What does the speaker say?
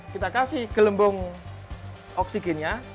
kita kasih gelembung oksigennya